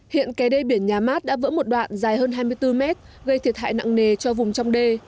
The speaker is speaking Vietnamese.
hiện kè đê biển nhà mát đã vỡ một đoạn dài hơn hai mươi bốn mét gây thiệt hại nặng nề cho vùng trong đê